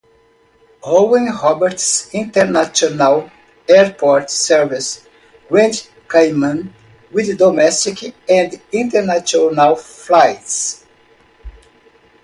Owen Roberts International Airport serves Grand Cayman with domestic and international flights.